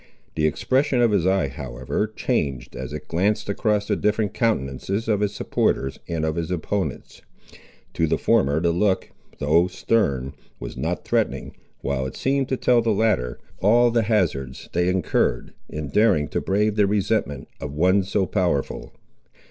The expression of his eye, however, changed as it glanced across the different countenances of his supporters and of his opponents. To the former the look, though stern, was not threatening, while it seemed to tell the latter all the hazards they incurred, in daring to brave the resentment of one so powerful.